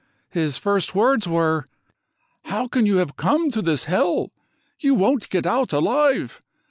His first words were 4 How can you have come to this hell ? You won't get out alive